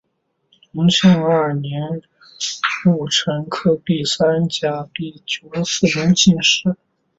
隆庆二年戊辰科第三甲第九十四名进士。